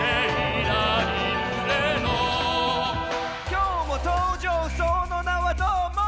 「今日も登場その名はどーも」